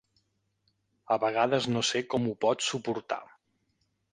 A vegades no sé com ho pot suportar.